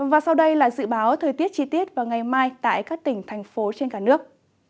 và sau đây là dự báo thời tiết chi tiết vào ngày mai tại các tỉnh thành phố trên cả nước